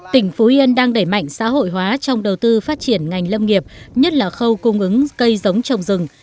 tỉnh phú yên đang đẩy mạnh xã hội hóa trong đầu tư phát triển ngành lâm nghiệp nhất là khâu cung ứng cây giống trồng rừng